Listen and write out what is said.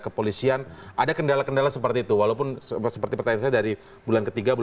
apa alasan seperti ini